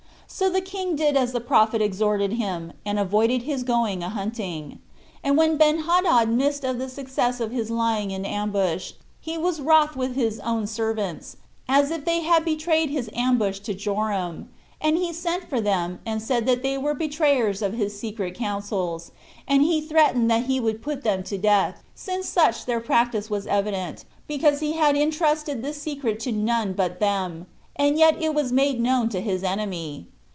So the king did as the prophet exhorted him, and avoided his going a hunting. And when Benhadad missed of the success of his lying in ambush, he was wroth with his own servants, as if they had betrayed his ambushment to Joram; and he sent for them, and said they were the betrayers of his secret counsels; and he threatened that he would put them to death, since such their practice was evident, because he had intrusted this secret to none but them, and yet it was made known to his enemy.